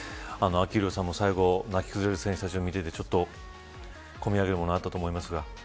昭浩さんも最後泣き崩れる選手たちを見ていてこみ上げるものがあったと思いますが。